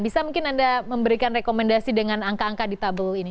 bisa mungkin anda memberikan rekomendasi dengan angka angka ditable ini